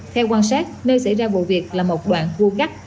theo quan sát nơi xảy ra vụ việc là một đoạn vua cắt